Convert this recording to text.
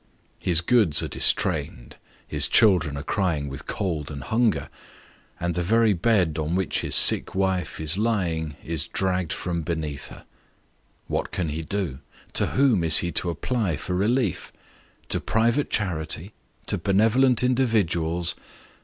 His goods are distrained, his children are crying with cold and hunger, and the very bed on which his sick wife is lying, is dragged from beneath her. What cau he do? To whom is he to apply for relief? To private charity? To benevolent individuals?